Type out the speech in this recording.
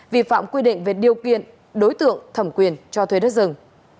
vi phạm quy định về điều kiện đối tượng thẩm quyền cho thuê đất rừng